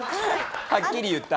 はっきり言った。